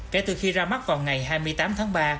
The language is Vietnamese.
kể từ khi ra mắt vào ngày hai mươi tám tháng ba